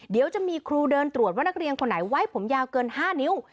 เดี๋ยวจะมีครูเดินตรวจว่านักเรียนคนไหนไว้ผมยาวเกิน๕นิ้ว